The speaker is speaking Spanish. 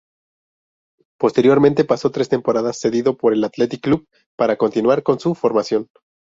Posteriormente, pasó tres temporadas cedido por el Athletic Club para continuar con su formación.